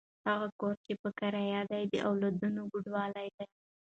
هغه کور چې په کرایه دی، د اولادونو کوډله ده.